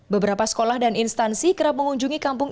beberapa sekolah dan instansi kerap mengunjungi kampung